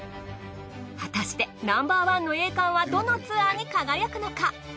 果たしてＮｏ．１の栄冠はどのツアーに輝くのか？